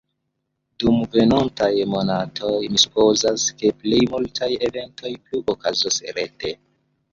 Dum venontaj monatoj, mi supozas ke plej multaj eventoj plu okazos rete.